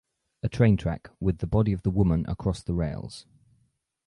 A train track with the body of the woman across the rails.